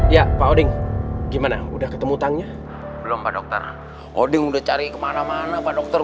ya pak oding gimana udah ketemu utangnya belum pak dokter oding udah cari kemana mana pak dokter